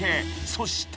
そして］